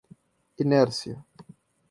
inércia